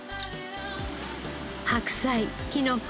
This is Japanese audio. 白菜きのこ